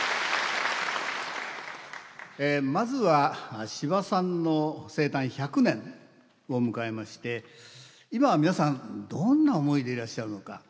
まずは司馬さんの生誕１００年を迎えまして今皆さんどんな思いでいらっしゃるのか。